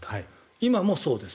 今もそうです。